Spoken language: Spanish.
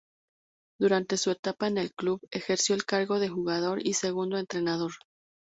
Durante su etapa en el club ejerció el cargo de jugador y segundo entrenador.